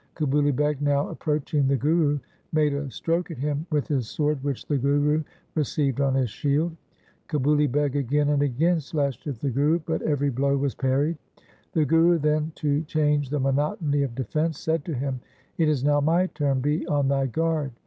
Kabuli Beg now approaching the Guru made a stroke at him with his sword, which the Guru received on his shield. Kabuli Beg again and again slashed at the Guru, but every blow was parried. The Guru then, to change the monotony of defence, said to him, ' It is now my turn, be on thy guard.'